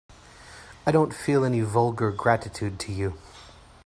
I don't feel any vulgar gratitude to you.